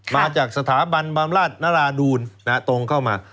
มาจากสถาบันบำราชนราดูลตรงเข้ามา